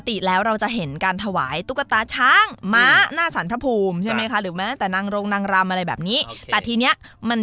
แต่ว่าเอาจริงมันมีความน่าจะเป็นมั้ย